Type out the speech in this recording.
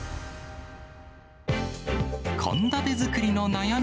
献立作りの悩み